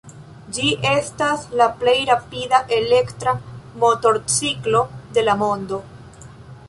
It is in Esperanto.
Ĝi estas la plej rapida elektra motorciklo de la mondo.